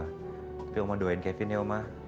tapi uma doain kevin ya uma